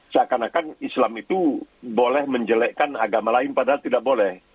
seakan akan islam itu boleh menjelekkan agama lain padahal tidak boleh